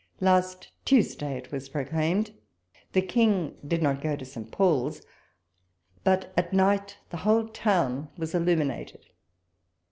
Last Tuesday it was proclaimed : the King did not go to St. Paul's, hut at night the whole town was illuminated.